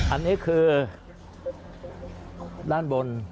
อันนี้คือด้านบน